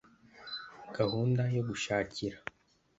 gahunda yo gushakira